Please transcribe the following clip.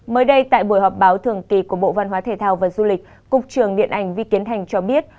mới đây tại buổi họp báo thường kỳ của bộ văn hóa thể thao và du lịch cục trường điện ảnh vi kiến thành cho biết